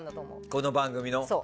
この番組の？